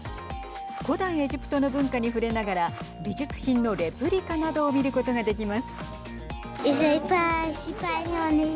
古代エジプトの文化に触れながら美術品のレプリカなどを見ることができます。